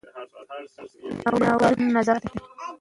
که ښځې خاله ګانې شي نو مینه به نه وي کمه.